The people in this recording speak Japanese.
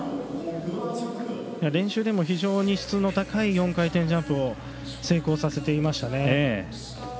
練習でも非常に質の高い４回転ジャンプを成功させていましたね。